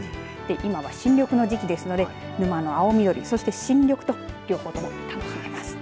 今は新緑の時期ですので沼の青緑、そして新緑と両方とも楽しめます。